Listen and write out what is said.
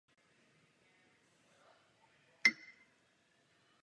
Skladba "In Your Head" se stala hitem na Slovensku i v zahraničí.